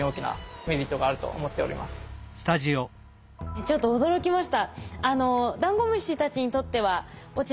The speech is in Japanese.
ちょっと驚きました。